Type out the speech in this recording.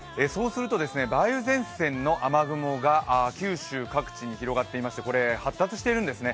梅雨前線の雨雲が九州各地に広がっていまして発達しているんですね。